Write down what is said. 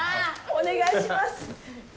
お願いします。